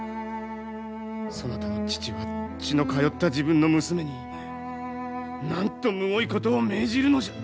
そなたの父は血の通った自分の娘になんとむごいことを命じるのじゃ！